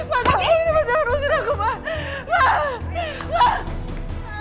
mas jangan rusuk aku mas